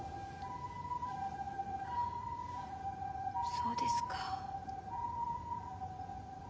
そうですか。